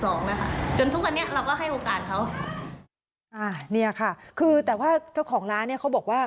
นะคะจนทุกวันนี้เราก็ให้โอกาสเขาอ่าเนี่ยค่ะคือแต่ว่าเจ้าของร้านเนี้ยเขาบอกว่า